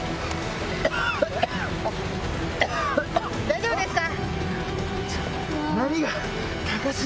大丈夫ですか？